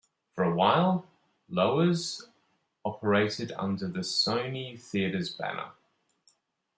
For a while, Loews operated under the Sony Theaters banner.